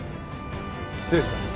失礼します。